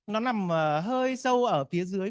nó nằm hơi sâu ở phía dưới